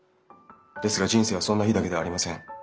ですが人生はそんな日だけではありません。